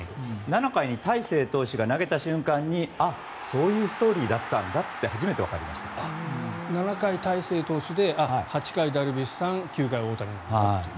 ７回に大勢投手が投げた瞬間にそういうストーリーだったんだって７回、大勢投手で８回、ダルビッシュさん９回、大谷さんだと。